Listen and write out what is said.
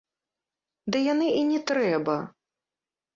Ды яны і не трэба.